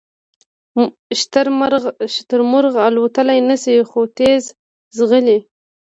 شترمرغ الوتلی نشي خو تېز ځغلي